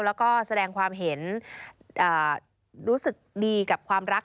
แล้วก็แสดงความเห็นรู้สึกดีกับความรัก